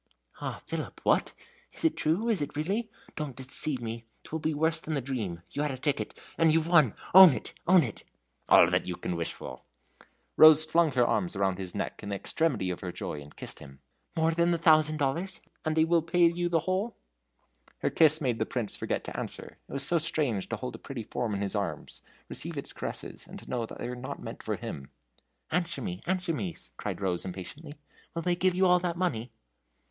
"Ah, Philip what? is it true? is it really? Don't deceive me! 'twill be worse than the dream. You had a ticket! and you've won! own it! own it!" "All you can wish for." Rose flung her arms around his neck in the extremity of her joy, and kissed him. "More than the thousand dollars? and will they pay you the whole?" Her kiss made the Prince forget to answer. It was so strange to hold a pretty form in his arms, receive its caresses, and to know they were not meant for him. "Answer me, answer me!" cried Rose, impatiently. "Will they give you all that money?"